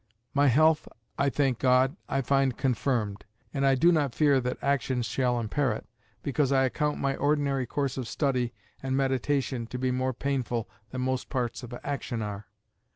My health, I thank God, I find confirmed; and I do not fear that action shall impair it, because I account my ordinary course of study and meditation to be more painful than most parts of action are.